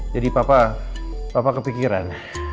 jadi papa kepikiran